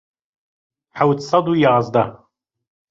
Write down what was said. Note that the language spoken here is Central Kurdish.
حەوت سەد و یازدە